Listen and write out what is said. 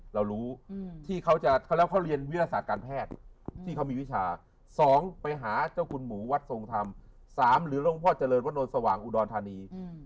เรารู้ที่เขาจะแล้วเขาเรียนวิทยาศาสตร์การแพทย์ที่เขามีวิชา๒ไปหาเจ้าคุณหมูวัดทรงธรรม๓หรือหลวงพ่อเจริญวัดนวลสว่างอุดรธานี